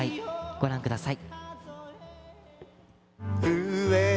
ご覧ください。